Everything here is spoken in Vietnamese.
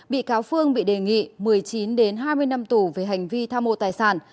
bị cáo phương bị đề nghị một mươi chín hai mươi năm tù về hành vi tham mô tài sản